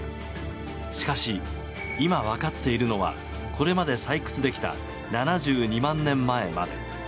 しかし今、分かっているのはこれまで採掘できた７２万年前まで。